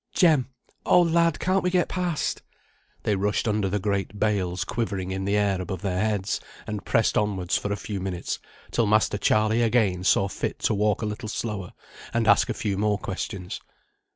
"Jem; oh, lad! can't we get past?" They rushed under the great bales quivering in the air above their heads and pressed onwards for a few minutes, till Master Charley again saw fit to walk a little slower, and ask a few more questions.